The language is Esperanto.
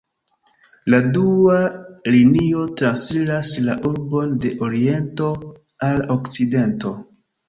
La dua linio transiras la urbon de oriento al okcidento.